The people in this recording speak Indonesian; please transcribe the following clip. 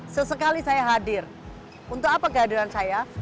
sesekali saya hadir untuk apa kehadiran saya